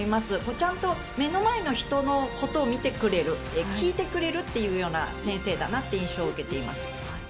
ちゃんと目の前の人のことを見てくれる聞いてくれるというような先生だなという印象を受けています。